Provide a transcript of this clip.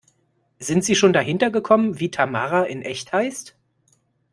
Sind Sie schon dahinter gekommen, wie Tamara in echt heißt?